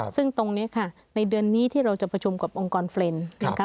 ซึ่งตรงนี้ค่ะในเดือนนี้ที่เราจะประชุมกับองค์กรเฟรนด์นะคะ